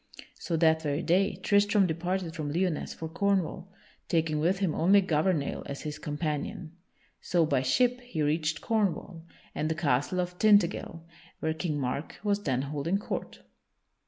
So that very day Tristram departed from Lyonesse for Cornwall, taking with him only Gouvernail as his companion. So, by ship, he reached Cornwall, and the castle of Tintagel, where King Mark was then holding court.